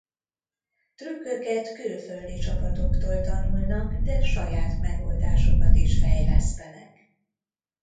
Trükköket külföldi csapatoktól tanulnak de saját megoldásokat is fejlesztenek.